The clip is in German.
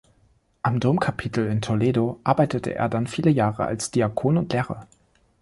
Am Domkapitel in Toledo arbeitete er dann viele Jahre als Diakon und Lehrer.